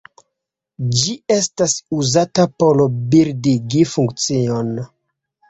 Ĝi estas uzata por bildigi funkcion.